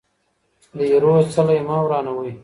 د ايرو څلی مه ورانوئ.